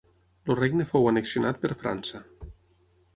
El regne fou annexionat per França.